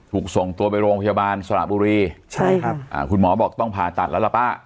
ถูกส่งตัวไปโรงพยาบาลสระบุรีใช่ครับอ่าคุณหมอบอกต้องผ่าตัดแล้วล่ะป้า